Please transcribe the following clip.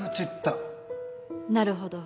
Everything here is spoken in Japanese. なるほど。